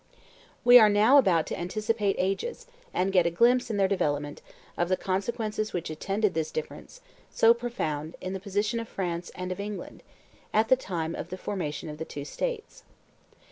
We are now about to anticipate ages, and get a glimpse, in their development, of the consequences which attended this difference, so profound, in the position of France and of England, at the time of the formation of the two states.